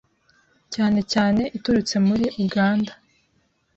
cyane cyane iturutse muri Uganda